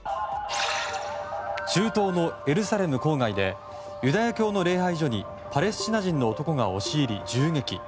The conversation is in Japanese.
中東のエルサレム郊外でユダヤ教の礼拝所にパレスチナ人の男が押し入り銃撃。